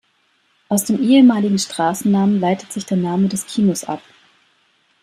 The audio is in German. Aus dem ehemaligen Straßennamen leitet sich der Name des Kinos ab.